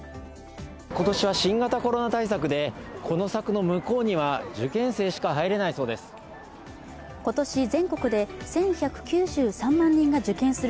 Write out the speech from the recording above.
今年は新型コロナ対策でこの柵の向こうには受験生しか入れないそうです。